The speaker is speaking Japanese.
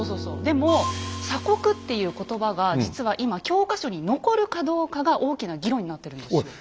でも「鎖国」っていう言葉が実は今教科書に残るかどうかが大きな議論になってるんですよ。